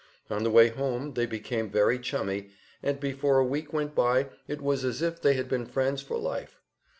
On the way home they became very chummy, and before a week went by it was as if they had been friends for life.